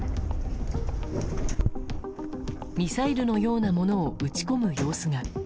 ミサイルのようなものを撃ち込む様子が。